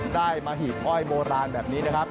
ได้มาหีบอ้อยโบราณแบบนี้นะครับ